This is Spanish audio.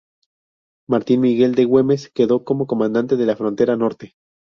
Martín Miguel de Güemes quedó como comandante de la frontera norte.